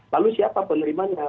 lalu siapa penerimanya